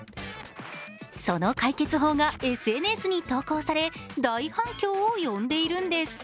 その解決法がＳＮＳに投稿され、大反響を呼んでいるんです。